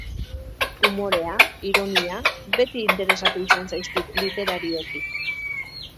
Umorea, ironia, beti interesatu izan zaizkit literarioki.